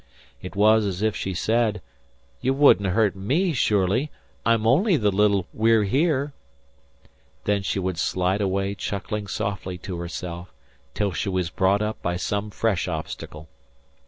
It was as if she said: "You wouldn't hurt me, surely? I'm only the little We're Here." Then she would slide away chuckling softly to herself till she was brought up by some fresh obstacle.